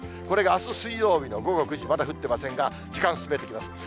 これがあす水曜日の午後９時、まだ降っていませんが、時間進めてみます。